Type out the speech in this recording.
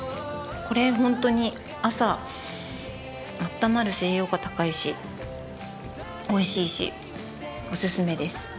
これ本当に朝あったまるし栄養価高いしおいしいしオススメです。